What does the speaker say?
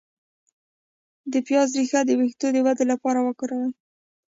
د پیاز ریښه د ویښتو د ودې لپاره وکاروئ